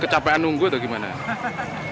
kecapean nunggu atau gimana